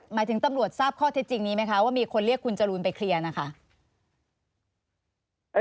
หมายถึงตำรวจทราบข้อเท็จจริงนี้ไหมคะว่ามีคนเรียกคุณจรูนไปเคลียร์นะคะ